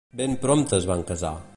Ben prompte es van casar.